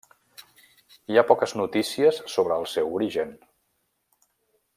Hi ha poques notícies sobre el seu origen.